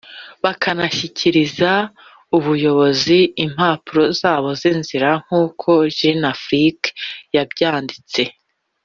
bakanashyikiriza ubuyobozi impapuro zabo z’inzira nk’uko Jeunafrique yabyanditse